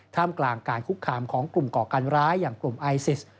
มกลางการคุกคามของกลุ่มก่อการร้ายอย่างกลุ่มไอซิส